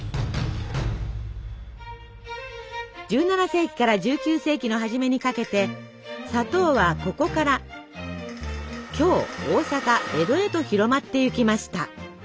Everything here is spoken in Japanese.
１７世紀から１９世紀の初めにかけて砂糖はここから京大坂江戸へと広まっていきました。